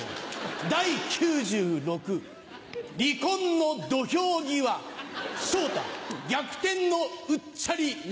第９６離婚の土俵際昇太逆転のうっちゃりなるか？